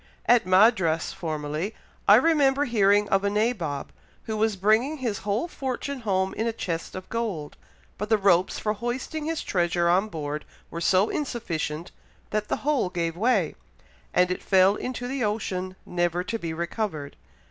At Madras, formerly, I remember hearing of a nabob who was bringing his whole fortune home in a chest of gold, but the ropes for hoisting his treasure on board were so insufficient, that the whole gave way, and it fell into the ocean, never to be recovered.